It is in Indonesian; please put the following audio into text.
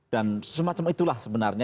dan semacam itulah sebenarnya